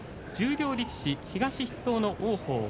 十両力士、東筆頭の王鵬